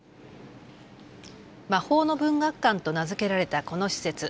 魔法の文学館と名付けられたこの施設。